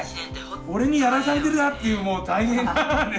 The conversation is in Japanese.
俺にやらされてるなっていうもう大変なね。